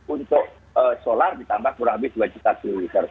untuk solar ditambah kurang lebih dua juta kiloliter